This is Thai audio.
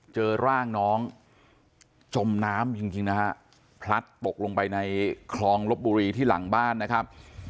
เจอร่างน้องจมน้ำจริงนะฮะพลัดตกลงไปในคลองลบบุรีที่หลังบ้านนะครับ